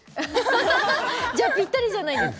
じゃあ、ぴったりじゃないですか。